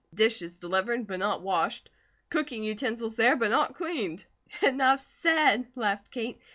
Dishes delivered but not washed; cooking utensils there, but not cleaned." "Enough said," laughed Kate.